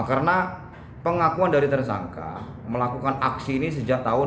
karena pengakuan dari tersangka melakukan aksi ini sejak tahun dua ribu dua puluh